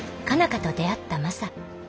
花と出会ったマサ。